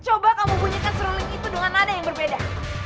coba kamu bunyikan seruling itu dengan nada yang berbeda